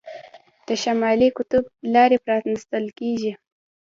د شمالي قطب لارې پرانیستل کیږي.